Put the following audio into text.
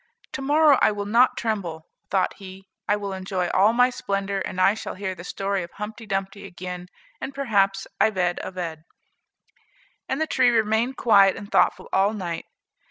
"To morrow I will not tremble," thought he; "I will enjoy all my splendor, and I shall hear the story of Humpty Dumpty again, and perhaps Ivede Avede." And the tree remained quiet and thoughtful all night.